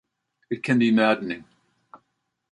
It can be maddening.